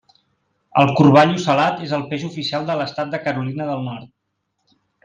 El corball ocel·lat és el peix oficial de l'estat de Carolina del Nord.